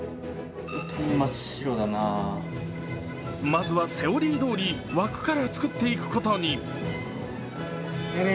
まずはセオリーどおり枠から作っていくことに。